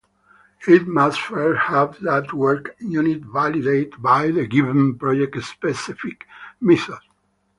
It must first have that work unit validated by the given, project-specific method.